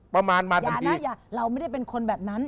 ประมาณมาทันทีอย่านะอย่าเราไม่ได้เป็นคนแบบนั้น